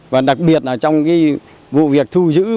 và đặc biệt là trong vụ việc thu giữ